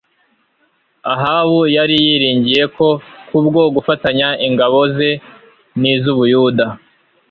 Ahabu yari yiringiye ko kubwo gufatanya ingabo ze nizUbuyuda